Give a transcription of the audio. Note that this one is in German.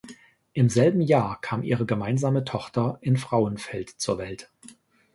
Im selben Jahr kam ihre gemeinsame Tochter in Frauenfeld zur Welt.